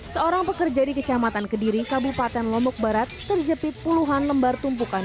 seorang pekerja di kecamatan kediri kabupaten lombok barat terjepit puluhan lembar tumpukan